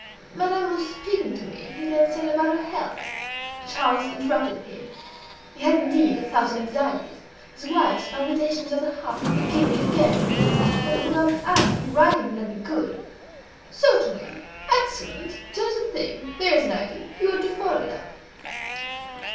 "Madame was speaking to me," he then said, "about her health." Charles interrupted him; he had indeed a thousand anxieties; his wife's palpitations of the heart were beginning again. Then Rodolphe asked if riding would not be good. "Certainly! excellent! just the thing! There's an idea! You ought to follow it up."